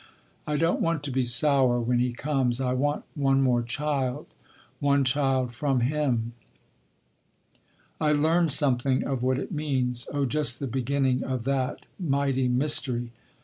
I don’t want to be sour when he comes. I want one more child—one child from him. I learned something of what it means—oh, just the beginning of that mighty mystery.